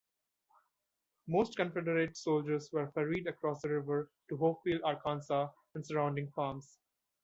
Most Confederate soldiers were ferried across the river to Hopefield, Arkansas, and surrounding farms.